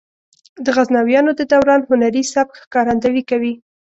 د غزنویانو د دوران هنري سبک ښکارندويي کوي.